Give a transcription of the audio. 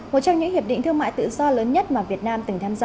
một trong những hiệp định thương mại tự do lớn nhất mà việt nam từng tham gia